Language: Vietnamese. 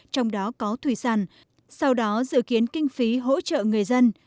trong đó có thùy sàn sau đó dự kiến kinh phí hỗ trợ người dân